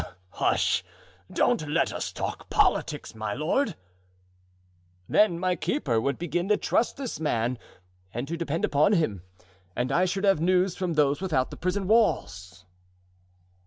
"Hush! don't let us talk politics, my lord." "Then my keeper would begin to trust this man and to depend upon him, and I should have news from those without the prison walls."